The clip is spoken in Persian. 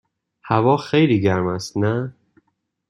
هوا خیلی گرم است، نه؟